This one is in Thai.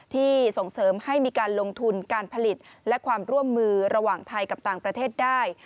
ส่งเสริมให้มีการลงทุนการผลิตและความร่วมมือระหว่างไทยกับต่างประเทศได้